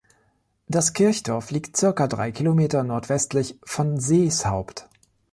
Das Kirchdorf liegt circa drei Kilometer nordwestlich von Seeshaupt.